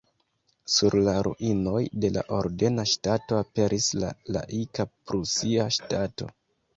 Sur la ruinoj de la ordena ŝtato aperis la laika prusia ŝtato.